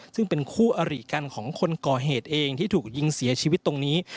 ซึ่งเป็นคู่อริกันของคนก่อเหตุเองที่ถูกยิงเสียชีวิตตรงนี้